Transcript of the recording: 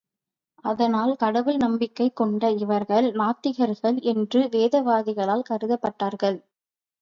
அதனால் கடவுள் நம்பிக்கை கொண்ட இவர்கள் நாத்திகர்கள் என்று வேதவாதிகளால் கருதப்பட்டார்கள்.